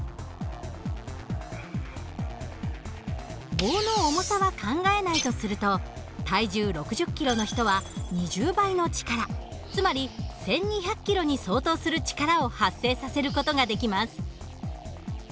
棒の重さは考えないとすると体重６０キロの人は２０倍の力つまり１，２００キロに相当する力を発生させる事ができます。